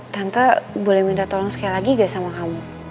tante boleh minta tolong sekali lagi gak sama kamu